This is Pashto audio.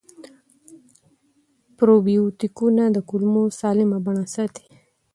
پروبیوتیکونه د کولمو سالمه بڼه ساتي.